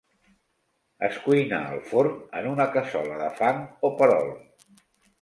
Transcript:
Es cuina al forn en una cassola de fang o perol.